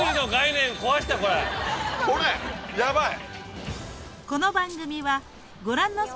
これヤバい！